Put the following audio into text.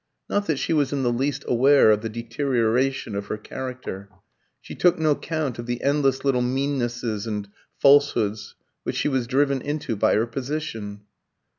Not that she was in the least aware of the deterioration of her character. She took no count of the endless little meannesses and falsehoods which she was driven into by her position.